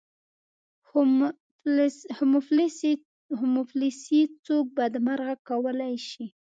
خو مفلسي څوک بدمرغه کولای شي.